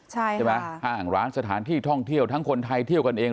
ใช่ไหมห้างร้านสถานที่ท่องเที่ยวทั้งคนไทยเที่ยวกันเอง